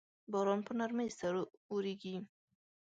باران په نرمۍ سره اوریږي